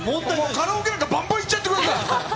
カラオケなんてばんばん行っちゃってください。